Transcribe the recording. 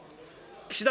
岸田